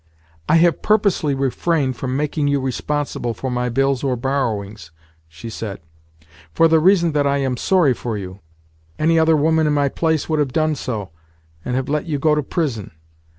"I have purposely refrained from making you responsible for my bills or borrowings," she said, "for the reason that I am sorry for you. Any other woman in my place would have done so, and have let you go to prison.